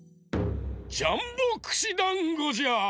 ジャンボくしだんごじゃ！